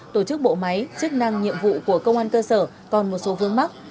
tổ chức bộ máy chức năng nhiệm vụ của công an cơ sở còn một số vương mắc